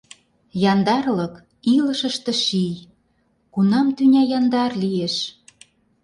Яндарлык — илышыште ший, Кунам тӱня яндар лиеш?